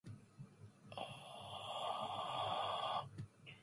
He was a patron of the British Film Institute.